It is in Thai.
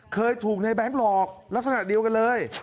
เคยถูกในแบงค์หลอกลักษณะเดียวกันเลย